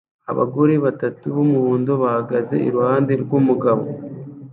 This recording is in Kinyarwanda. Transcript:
Abagore batatu b'umuhondo bahagaze iruhande rw'umugabo